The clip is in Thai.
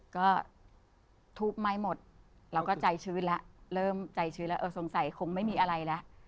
ก็ทูบไหม้หมดเราก็ใจชื้นแล้วเริ่มใจชื้นแล้วเออสงสัยคงไม่มีอะไรแล้ว